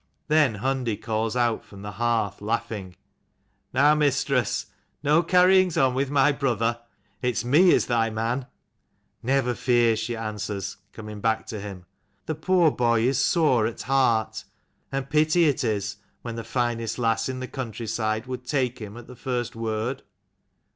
Then Hundi calls out from the hearth, laughing, " Now, mistress, no carryings on with my brother : it's me is thy man !"" Never fear," she answers coming back to him. " The poor boy is sore at heart. And pity it is, when the finest lass in the country side would take him at the first word."